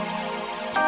lo benar benar ya